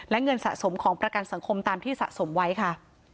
และเงินสะสมของประกันสังคมตามที่สะสมไว้ค่ะ